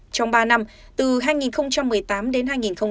trong ba năm từ hai nghìn một mươi tám đến hai nghìn hai mươi